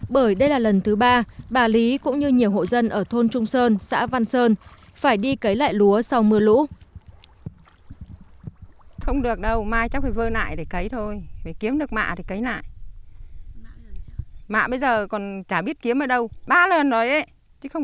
bởi đây là lần thứ ba bà lý cũng như nhiều hộ dân ở thôn trung sơn xã văn sơn phải đi cấy lại lúa sau mưa lũ